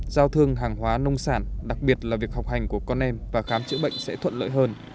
giao thương hàng hóa nông sản đặc biệt là việc học hành của con em và khám chữa bệnh sẽ thuận lợi hơn